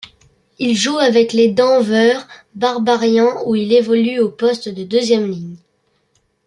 Il joue avec les Denver Barbarians où il évolue au poste de deuxième ligne.